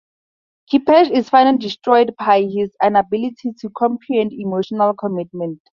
Kepesh is finally destroyed by his inability to comprehend emotional commitment.